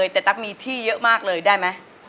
แต่ตั๊กมีที่เยอะมากเลยได้ไหม